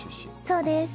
そうです。